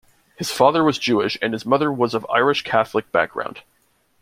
His father was Jewish and his mother was of Irish Catholic background.